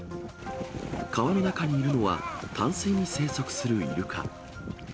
川の中にいるのは、淡水に生息するイルカ。